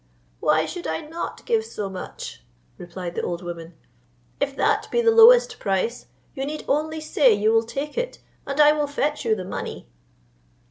"Why should I not give so much?" replied the old woman: "if that be the lowest price, you need only say you will take it, and I will fetch you the money."